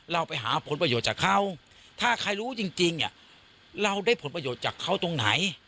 เราไปหาผลประโยชน์จากเขาถ้าใครรู้จริงเราได้ผลประโยชน์จากเขาตรงไหน